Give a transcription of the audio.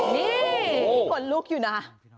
นี่ขนลุกอยู่นะ